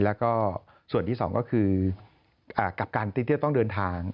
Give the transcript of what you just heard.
แล้วก็ส่วนที่สองก็คือกับการที่จะต้องเดินทาง